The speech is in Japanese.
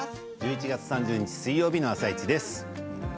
１１月３０日水曜日の「あさイチ」です。